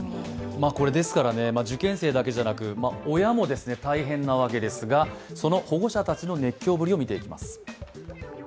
ですから、受験生だけじゃなく親も大変なわけですがその保護者たちの熱狂ぶりを見ていきます。